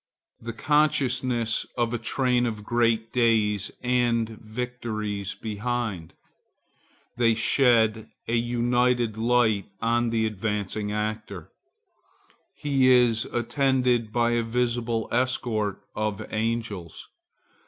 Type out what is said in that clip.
The consciousness of a train of great days and victories behind. They shed an united light on the advancing actor. He is attended as by a visible escort of angels.